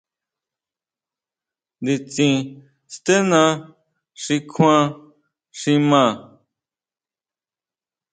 Nditsin stená xi kjuan xi maa.